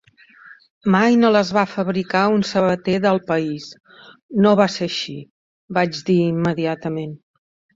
"Mai no les va fabricar un sabater del país". "No va ser així", vaig dir immediatament.